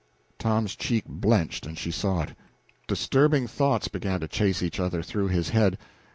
Tom's cheek blenched, and she saw it. Disturbing thoughts began to chase each other through his head.